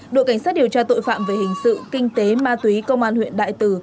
đội cảnh sát điều tra tội phạm về hình sự kinh tế ma túy công an huyện đại từ